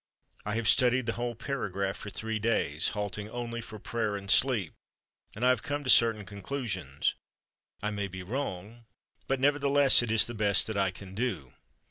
I have studied the whole paragraph for three days, halting only for prayer and sleep, and I have come to certain conclusions. I may be wrong, but nevertheless it is the best that I can do.